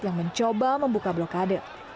yang mencoba membuka blokade